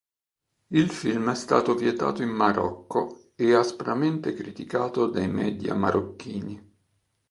Il film è stato vietato in Marocco e aspramente criticato dai media marocchini.